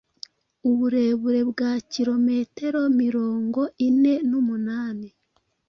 uburebure bwa kilometero mrongo ine numunani